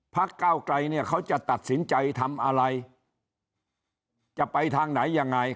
ก้าวไกลเนี่ยเขาจะตัดสินใจทำอะไรจะไปทางไหนยังไง